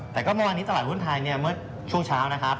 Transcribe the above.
ตะก็เมื่อนี้สลับหุ้นไทยเนี่ยบริเวณช่วงเช้านะครับ